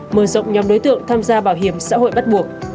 mở rộng nhóm đối tượng tham gia bảo hiểm xã hội bắt buộc